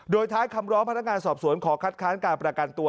โดยท้ายคำร้องพนักงานสอบสวนขอคัดค้านการประกันตัว